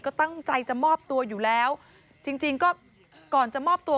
ก็ตั้งใจจะมอบตัวอยู่แล้วจริงจริงก็ก่อนจะมอบตัว